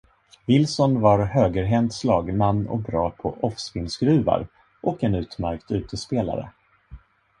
Wilson var högerhänt slagman och bra på off-spin-skruvar och en utmärkt utespelare.